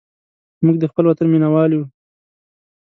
موږ د خپل وطن مینهوال یو.